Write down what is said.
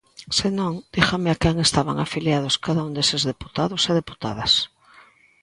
Se non, dígame a quen estaban afiliados cada un deses deputados e deputadas.